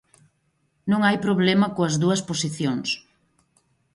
Non hai problema coas dúas posicións.